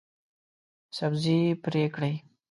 سبزي پرې کړئ